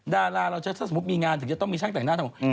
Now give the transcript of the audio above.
ดาราเราจะถ้าสมมุติมีงานถึงจะต้องมีช่างแต่งหน้าทำ